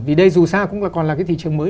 vì đây dù sao cũng còn là cái thị trường mới